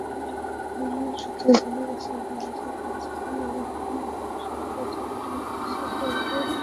বন্দর সূত্রে জানা গেছে, জাহাজের পরিচালনা, রক্ষণাবেক্ষণসহ কার্যত সবকিছুই করবে সামিট।